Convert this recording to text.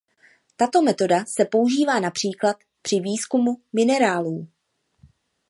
Tato metoda se používá například při výzkumu minerálů.